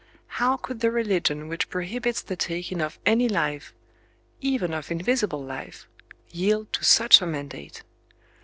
How could the religion which prohibits the taking of any life—even of invisible life—yield to such a mandate?